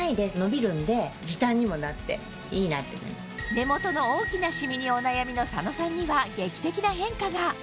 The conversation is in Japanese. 目元の大きなシミにお悩みの佐野さんには劇的な変化が。